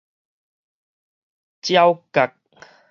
鳥鵤